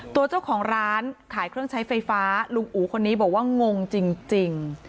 ตัวเจ้าของร้านขายเครื่องใช้ไฟฟ้าลุงอู๋คนนี้บอกว่างงจริง